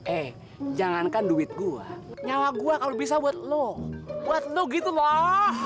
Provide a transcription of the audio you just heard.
eh jangankan duit gua nyawa gua kalau bisa buat lo buat lu gitu loh